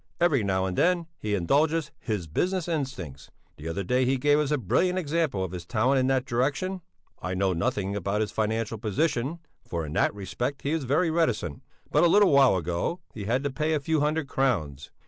Every now and then he indulges his business instincts; the other day he gave us a brilliant example of his talent in that direction. I know nothing about his financial position for in that respect he is very reticent but a little while ago he had to pay a few hundred crowns.